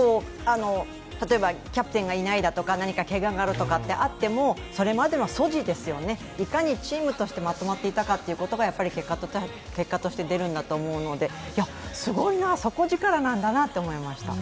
例えばキャプテンがいないだとか、けががあるとかあってもそれまでの素地ですよね、いかにチームとしてまとまっていたかということが結果として出るんだと思うので、すごいな、底力なんだなと思いました。